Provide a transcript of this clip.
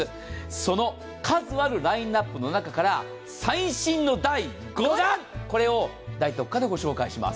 その数あるラインナップの中から最新の第５弾、大特価で御紹介します。